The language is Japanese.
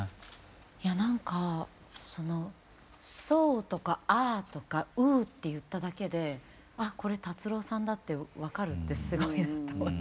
いやなんか「ソー」とか「アー」とか「ウー」って言っただけであっこれ達郎さんだって分かるってすごいなって思う。